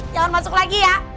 jangan masuk lagi ya